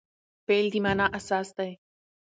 فعل د مانا اساس دئ.